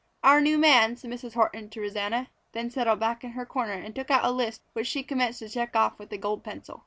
"Our new man," said Mrs. Horton to Rosanna, then settled back in her corner and took out a list which she commenced to check off with a gold pencil.